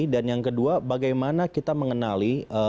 dan yang kedua bagaimana kita mengenal